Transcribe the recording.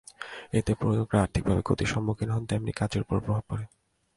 এতে প্রযোজকেরা আর্থিকভাবে ক্ষতির সম্মুখীন হন, তেমনি কাজের ওপরও প্রভাব পড়ে।